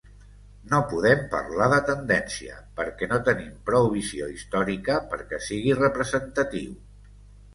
No podem parlar de tendència, perquè no tenim prou visió històrica perquè sigui representatiu.